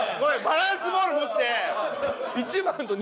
バランスボール持って。